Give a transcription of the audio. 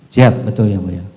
siap betul ya mulia